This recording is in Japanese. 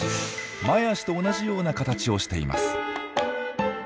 前足と同じような形をしています。